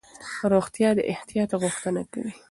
روغتیا د احتیاط غوښتنه کوي.